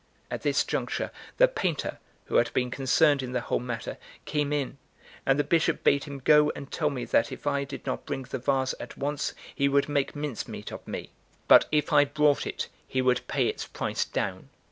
At this juncture the painter, who had been concerned in the whole matter, came in, and the Bishop bade him go and tell me that if I did not bring the vase at once, he would make mincemeat of me; but if I brought it, he would pay its price down.